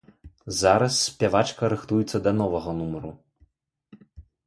Зараз спявачка рыхтуецца да новага нумару.